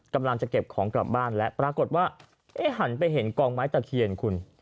กำลังจะเก็บของกลับบ้านแล้วปรากฏว่าหันไปเห็นกองไม้ตะเคียนคุณ